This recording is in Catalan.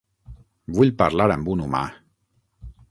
Vull parlar amb un humà.